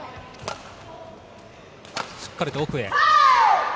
しっかりと奥へ。